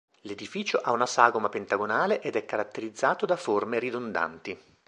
L'edificio ha una sagoma pentagonale ed è caratterizzato da forme ridondanti.